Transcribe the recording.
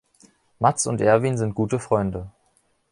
Mats und Erwin sind gute Freunde.